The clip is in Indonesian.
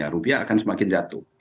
rupiah akan semakin jatuh